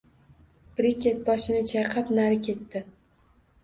Brekket boshini chayqab, nari ketdi